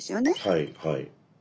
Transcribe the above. はいはい。